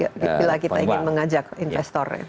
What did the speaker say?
bila kita ingin mengajak investor